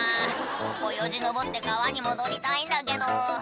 「ここよじ登って川に戻りたいんだけど」